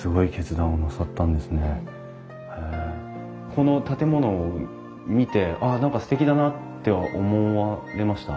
この建物を見て「あ何かすてきだな」って思われました？